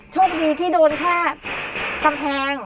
โชคดีที่โดนแค่กำแพง